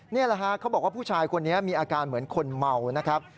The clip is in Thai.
นี่แหละฮะเขาบอกว่าผู้ชายคนนี้มีอาการเหมือนคนเมานะครับ